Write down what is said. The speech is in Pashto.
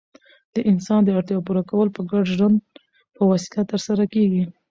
د انسان داړتیاوو پوره کول په ګډ ژوند په وسیله ترسره کيږي.